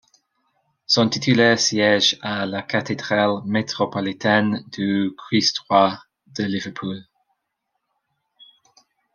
Son titulaire siège à la Cathédrale métropolitaine du Christ-Roi de Liverpool.